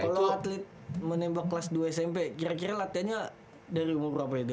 kalau atlet menembak kelas dua smp kira kira latihannya dari umur berapa itu